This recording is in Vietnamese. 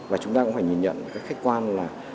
và chúng ta cũng phải nhìn nhận cái khách quan là